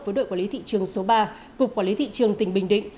với đội quản lý thị trường số ba cục quản lý thị trường tỉnh bình định